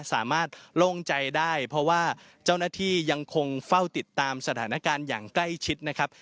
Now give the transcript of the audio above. โล่งใจได้เพราะว่าเจ้าหน้าที่ยังคงเฝ้าติดตามสถานการณ์อย่างใกล้ชิดนะครับ